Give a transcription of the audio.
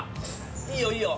いいよいいよ。